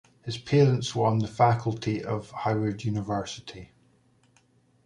His parents were on the faculty of Howard University.